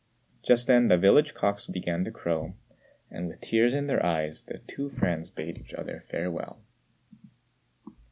Just then the village cocks began to crow, and, with tears in their eyes, the two friends bade each other farewell.